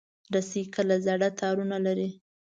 رسۍ کله زاړه تارونه لري.